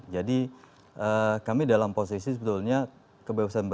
jadi kami dalam posisi sebetulnya kebebasan netizen